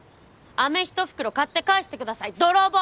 あめ一袋買って返してください泥棒！